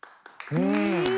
うん！